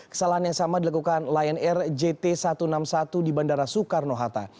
kesalahan yang sama dilakukan lion air jt satu ratus enam puluh satu di bandara soekarno hatta